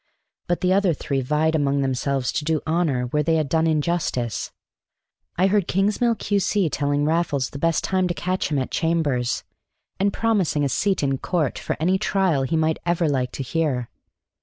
But the other three vied among themselves to do honor where they had done injustice. I heard Kingsmill, Q.C., telling Raffles the best time to catch him at chambers, and promising a seat in court for any trial he might ever like to hear.